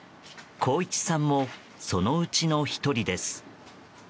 航一さんもそのうちの１人です。